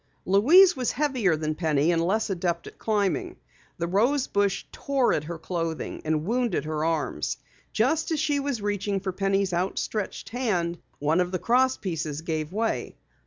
Louise was heavier than Penny and less adept at climbing. The rose bush tore at her clothing and wounded her arms. Just as she was reaching for Penny's outstretched hand one of the cross pieces gave way.